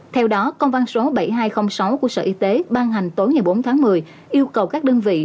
theo đó công văn số bảy nghìn hai trăm linh sáu của sở y tế ban hành tối ngày bốn tháng một mươi yêu cầu các đơn vị